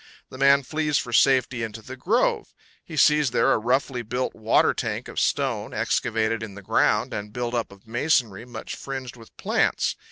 The man flees for safety into the grove; he sees there a roughly built water tank of stone, excavated in the ground, and built up of masonry much fringed with plants.